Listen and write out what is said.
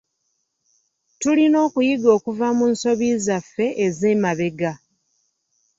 Tulina okuyiga okuva mu nsobi zaffe ez'emabega